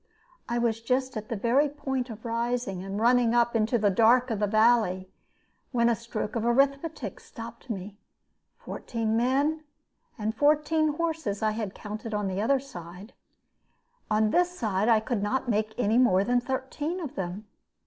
I was just at the very point of rising and running up into the dark of the valley, when a stroke of arithmetic stopped me. Fourteen men and fourteen horses I had counted on the other side; on this side I could not make any more than thirteen of them.